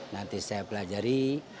nanti saya pelajari